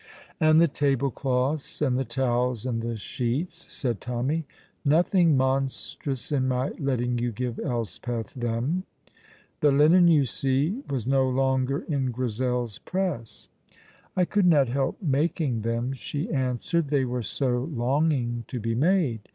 "And the table cloths and the towels and the sheets," said Tommy. "Nothing monstrous in my letting you give Elspeth them?" The linen, you see, was no longer in Grizel's press. "I could not help making them," she answered, "they were so longing to be made.